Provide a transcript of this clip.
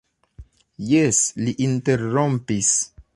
Jes, li interrompis.